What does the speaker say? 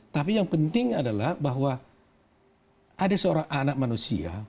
tapi yang penting adalah bahwa ada seorang anak manusia